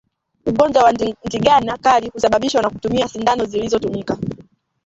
Ugonjwa wa ndigana kali husababishwa na kutumia sindano zilizotumika